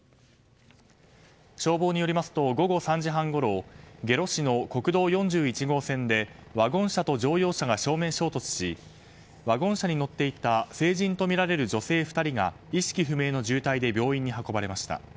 消防によりますと午後３時半ごろ下呂市の国道４１号線でワゴン車と乗用車が正面衝突しワゴン車に乗っていた成人とみられる女性２人が意識不明の重体で病院に運ばれました。